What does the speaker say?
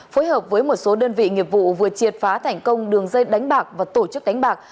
phối hợp với một số đơn vị nghiệp vụ vừa triệt phá thành công đường dây đánh bạc và tổ chức đánh bạc